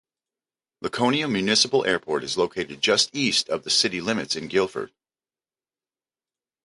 Laconia Municipal Airport is located just east of the city limits in Gilford.